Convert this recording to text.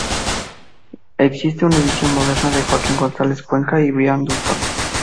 Existe una edición moderna de Joaquín González Cuenca y Brian Dutton.